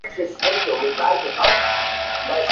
• دودونه بايد بدل سي ژر..